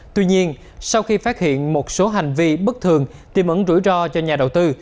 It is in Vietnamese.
tuy nhiên sau khi phát hiện một số hành vi bất thường tìm ẩn rủi ro cho nhà đầu tư